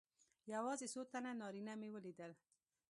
یوازې څو تنه نارینه مې ولیدل.